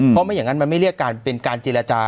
เพราะไม่อย่างนั้นมันไม่เรียกการเป็นการเจรจา